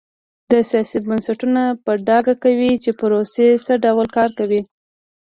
دا سیاسي بنسټونه په ډاګه کوي چې پروسې څه ډول کار کوي.